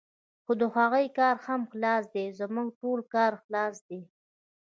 خو د هغوی کار هم خلاص دی، زموږ ټولو کار خلاص دی.